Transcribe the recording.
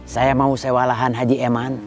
saya mau sewalahan haji eman